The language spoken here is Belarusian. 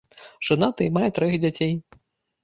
Жанаты і мае траіх дзяцей.